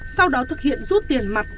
sau đó thực hiện rút tiền mặt